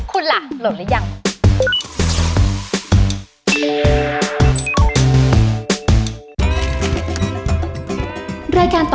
คุณล่ะโหลดแล้วยัง